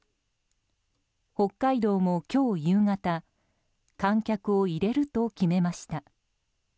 北海道も今日夕方観客を入れると決めました。